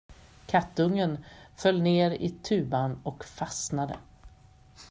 Kattungen föll ner i tuban och fastnade.